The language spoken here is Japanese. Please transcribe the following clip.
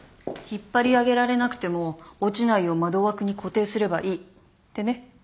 引っ張り上げられなくても落ちないよう窓枠に固定すればいいってね。